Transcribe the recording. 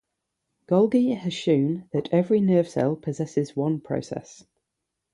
Golgi has shewn that every nerve-cell possesses one process.